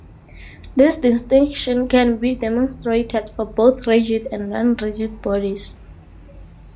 This distinction can be demonstrated for both "rigid" and "non rigid" bodies.